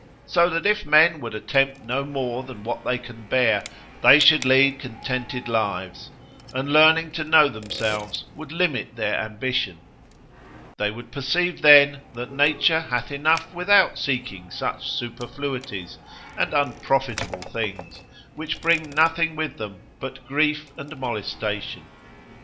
So that if men would attempt no more than what they can bear, they should lead contented lives, and learning to know themselves, would limit their ambition, they would perceive then that nature hath enough without seeking such superfluities, and unprofitable things, which bring nothing with them but grief and molestation.